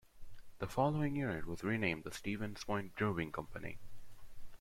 The following year, it was renamed the Stevens Point Brewing Company.